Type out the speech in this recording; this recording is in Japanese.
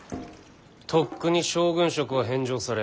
とっくに将軍職は返上され